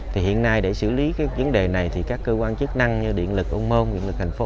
thì hiện nay để xử lý cái vấn đề này thì các cơ quan chức năng như điện lực ôn môn điện lực thành phố